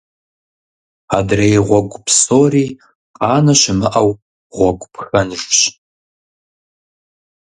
Адрей гъуэгу псори, къанэ щымыӀэу, гъуэгу пхэнжщ.